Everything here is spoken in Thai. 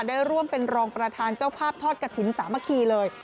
ได้ร่วมเป็นรองประธานเจ้าภาพทอดกระถิ่นสามัคคีเลย